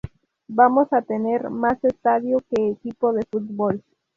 Vamos a tener más estadio que equipo de fútbol.